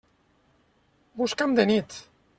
Busca'm de nit.